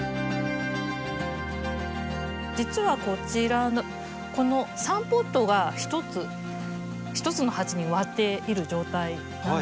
実はこちらのこの３ポットが１つの鉢に植わっている状態なんですね。